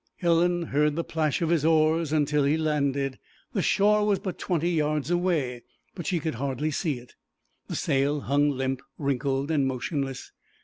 Helen heard the plash of his oars until he landed. The shore was but twenty yards away, but she could hardly see it. The sail hung limp, wrinkled, and motionless.